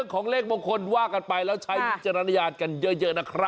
บางคนว่ากันไปแล้วใช้จรรยานกันเยอะนะครับ